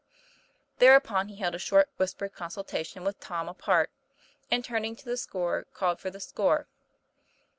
Thereupon he held a short whispered consultation with Tom, apart, and, turning to the scorer, called for the score.